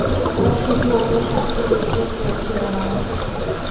ওরা শুধু ওকে শাস্তি দিতে চেয়েছিল মনে হয়।